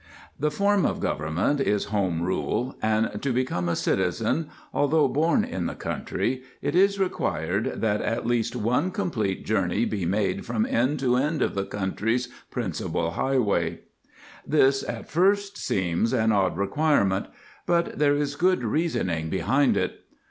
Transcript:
The form of government is Home Rule, and to become a citizen, although born in the country, it is required that at least one complete journey be made from end to end of the country's principal highway. This at first seems an odd requirement, but there is good reasoning behind it.